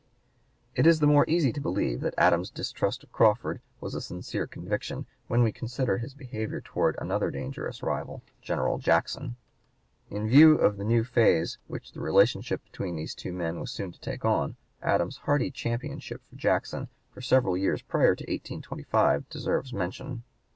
It is the more easy to believe that Adams's distrust of Crawford was a sincere conviction, when we consider his behavior towards another dangerous rival, General Jackson. In view of the new phase which the relationship between these two men was soon to take on, Adams's hearty championship of Jackson for several years prior to 1825 deserves mention.